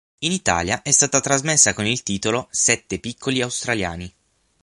In Italia è stata trasmessa con il titolo "Sette piccoli australiani".